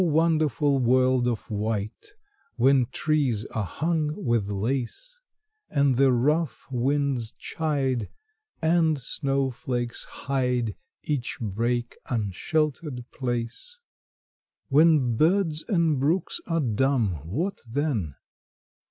O wonderful world of white! When trees are hung with lace, And the rough winds chide, And snowflakes hide Each break unsheltered place; When birds and brooks are dumb,—what then?